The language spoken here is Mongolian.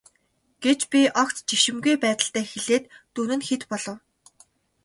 гэж би огт жишимгүй байдалтай хэлээд дүн нь хэд болов.